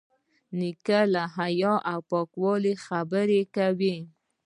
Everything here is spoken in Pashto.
نیکه له حیا او پاکوالي خبرې کوي.